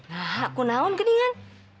nah aku naun gedingan